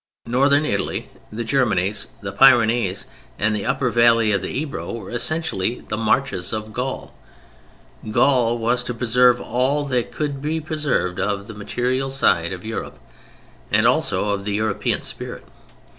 Northern Italy, the Germanies, the Pyrenees and the upper valley of the Ebro were essentially the marches of Gaul. Gaul was to preserve all that could be preserved of the material side of Europe, and also of the European spirit.